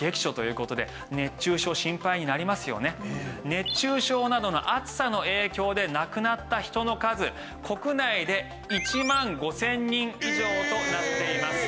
熱中症などの暑さの影響で亡くなった人の数国内で１万５０００人以上となっています。